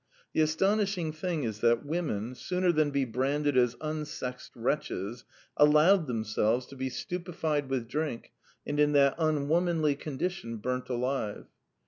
The astonishing thing is that women, sooner than be branded as unsexed wretches, allowed themselves to be stupefied with drink, and in that unwomanly condition burnt alive.